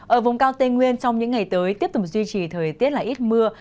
ở vùng cao tây nguyên trong những ngày tới tiếp tục duy trì thời tiết là ít mưa